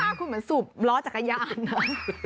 ก็ฆ่าคุณเหมือนสูบล้อจากกายานนะ